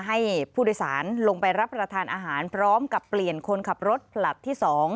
ให้ผู้โดยสารลงไปรับประทานอาหารพร้อมกับเปลี่ยนคนขับรถผลัดที่๒